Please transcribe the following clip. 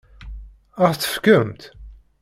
Ad ɣ-t-tefkemt?